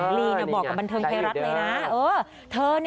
หญิงลีบอกกับบรรเทิงเพลรัฐเลยนะ